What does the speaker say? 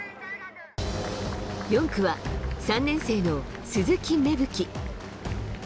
４区は、３年生の鈴木芽吹。